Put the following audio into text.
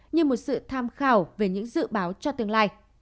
như một sự tham khảo về những dự báo cho tương lai